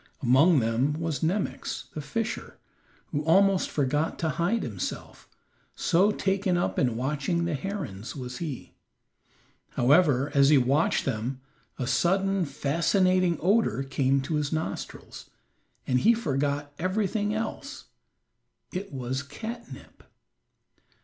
Among them was Nemox, the fisher, who almost forgot to hide himself, so taken up in watching the herons was he. However, as he watched them a sudden, fascinating odor came to his nostrils, and he forgot everything else it was catnip.